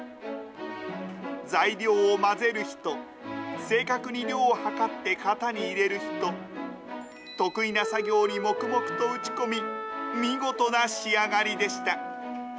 材料を混ぜる人、正確に量を計って型に入れる人、得意な作業に黙々と打ち込み、見事な仕上がりでした。